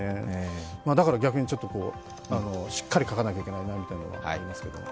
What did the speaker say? だから逆に、しっかり描かなきゃいけないなみたいなのはありますけれども。